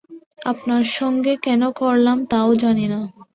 আপনার সঙ্গে কেন করলাম তাও জানি না।